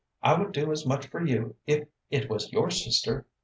I would do as much for you if it was your sister.